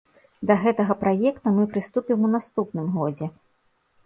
Да гэтага праекта мы прыступім у наступным годзе.